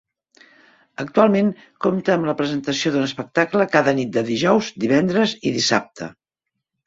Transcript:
Actualment compta amb la presentació d'un espectacle cada nit de dijous, divendres i dissabte.